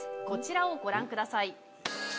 こちらをご覧ください。